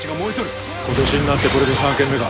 今年になってこれで３軒目か。